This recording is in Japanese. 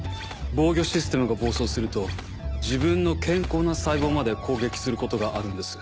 防御システムが暴走すると自分の健康な細胞まで攻撃することがあるんです。